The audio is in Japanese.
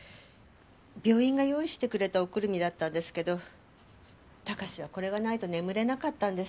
病院が用意してくれたおくるみだったんですけど貴史はこれがないと眠れなかったんです。